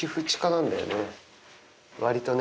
割とね。